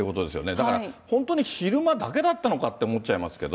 だから本当に昼間だけだったのかって思っちゃいますけど。